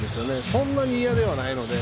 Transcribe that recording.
そんなにいやではないので。